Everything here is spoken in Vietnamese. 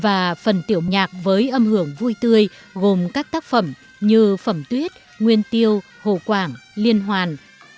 và phần tiểu nhạc với âm hưởng vui tươi gồm các tác phẩm như phẩm tuyết nguyên tiêu hồ quảng liên hoàn